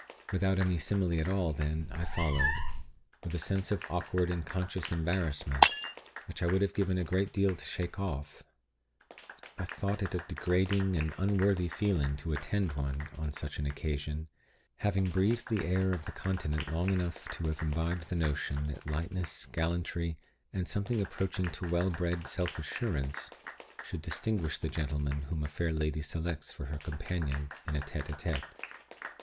Without any simile at all, then, I followed, with a sense of awkward and conscious embarrassment, which I would have given a great deal to shake off. I thought it a degrading and unworthy feeling to attend one on such an occasion, having breathed the air of the Continent long enough to have imbibed the notion that lightness, gallantry, and something approaching to well bred self assurance, should distinguish the gentleman whom a fair lady selects for her companion in a _tete a tete.